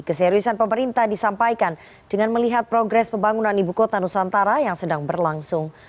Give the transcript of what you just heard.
keseriusan pemerintah disampaikan dengan melihat progres pembangunan ibu kota nusantara yang sedang berlangsung